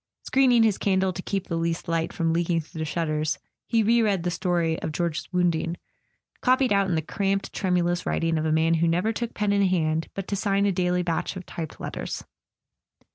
Screening his candle to keep the least light from leaking through the shutters, he re read the story of George's wounding, copied out in the cramped tremu¬ lous writing of a man who never took pen in hand but to sign a daily batch of typed letters.